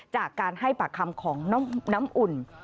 จากการให้ปากคำของน้ำอุ่น